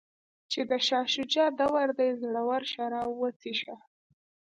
چې د شاه شجاع دور دی زړور شراب وڅښه.